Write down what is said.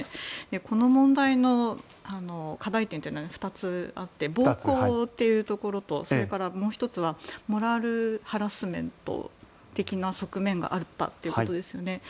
この問題の課題点は２つあって暴行というところとそれからもう１つはモラルハラスメント的な側面があったというところですよね。